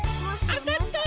あたった！